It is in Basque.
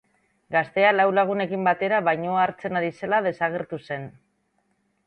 Gaztea lau lagunekin batera bainua hartzen ari zela desagertu zen.